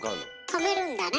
止めるんだね。